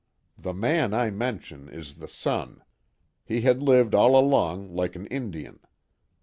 The man I mention is the son. He had lived all along like an Indian.